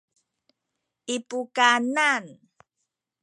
i pukanan